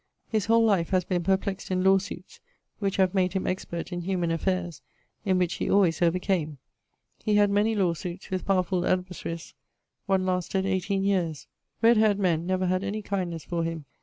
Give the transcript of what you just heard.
His whole life has been perplex't in lawe suites, (which haz made him expert in humane affaires), in which he alwaies over came. He had many lawe suites with powerfull adversaries; one lasted 18 yeares. Red haired men never had any kindnesse for him.